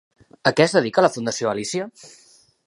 A què es dedica la Fundació Alícia?